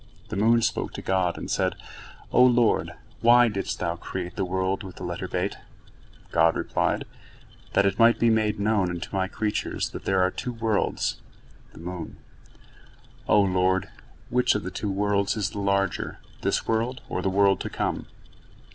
The moon spoke to God, and said: "O Lord, why didst Thou create the world with the letter Bet?" God replied: "That it might be made known unto My creatures that there are two worlds." The moon: "O Lord: which of the two worlds is the larger, this world or the world to come?"